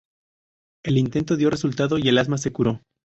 El intentó dio resultado y el asma se curó.